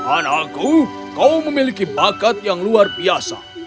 anakku kau memiliki bakat yang luar biasa